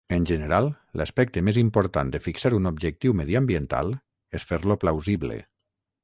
En general, l'aspecte més important de fixar un objectiu mediambiental és fer-lo plausible.